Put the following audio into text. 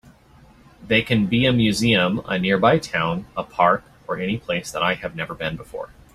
They can be a museum, a nearby town, a park, or any place that I have never been before.